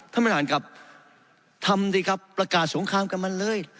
ท่านประธานครับทำสิครับประกาศสงครามกับมันเลย